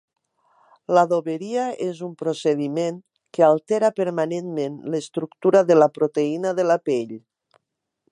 L'adoberia és un procediment que altera permanentment l'estructura de la proteïna de la pell.